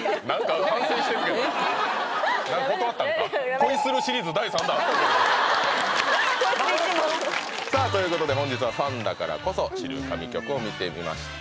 恋する一門さあということで本日はファンだからこそ知る神曲を見てみました